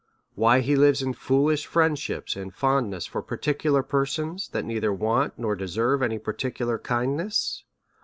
why he lives in fool ish friendships and fondness for particular persons^ that neither want nor deserve any particular kindness?